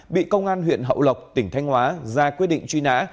bị công an huyện hậu lộc tỉnh thanh hóa ra quyết định truy nã